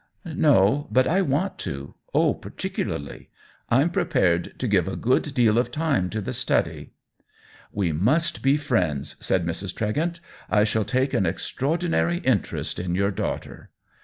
No, but I want to — oh, particularly. Vm prepared to give a good deal of time to the study." " We must be friends," said Mrs. Tregent. " I shall take an extraordinary interest in your daughter."